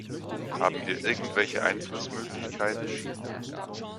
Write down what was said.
Haben wir irgendwelche Einflussmöglichkeiten?